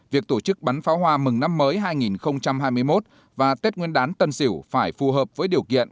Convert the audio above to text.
việc tổ chức bắn pháo hoa mừng năm mới hai nghìn hai mươi một và tết nguyên đán tân sỉu phải phù hợp với điều kiện